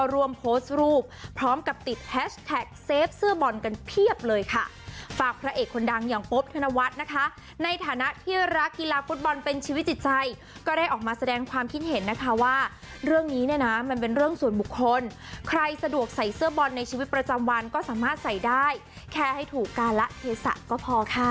รวมโพสต์รูปพร้อมกับติดแฮชแท็กเซฟเสื้อบอลกันเพียบเลยค่ะฝากพระเอกคนดังอย่างโป๊บธนวัฒน์นะคะในฐานะที่รักกีฬาฟุตบอลเป็นชีวิตจิตใจก็ได้ออกมาแสดงความคิดเห็นนะคะว่าเรื่องนี้เนี่ยนะมันเป็นเรื่องส่วนบุคคลใครสะดวกใส่เสื้อบอลในชีวิตประจำวันก็สามารถใส่ได้แค่ให้ถูกการละเทศะก็พอค่ะ